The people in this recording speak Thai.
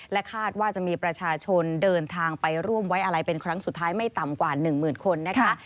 คาดว่าจะมีประชาชนเดินทางไปร่วมไว้อะไรเป็นครั้งสุดท้ายไม่ต่ำกว่า๑หมื่นคนนะคะ